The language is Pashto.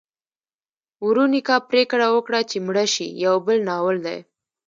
ورونیکا پریکړه وکړه چې مړه شي یو بل ناول دی.